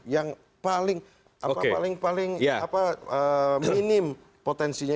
yang paling minim potensinya